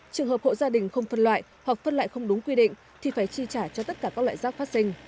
trường hợp hộ gia đình không phân loại hoặc phân loại không đúng quy định thì phải chi trả cho tất cả các loại rác phát sinh